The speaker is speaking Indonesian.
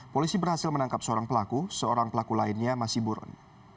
polisi berhasil menangkap seorang pelaku seorang pelaku lainnya masih buron